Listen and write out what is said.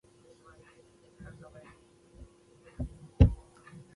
نو ورته یې وویل: ته خو به پخوا جمعې ته تللې.